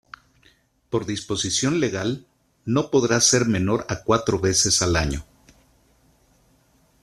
Por disposición legal, no podrá ser menor a cuatro veces al año.